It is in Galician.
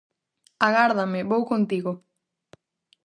Agárdame, vou contigo.